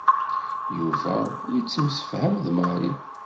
Yuba yettemsefham d Mary.